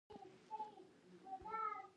د بازار پراختیا د پانګونې کچه لوړوي.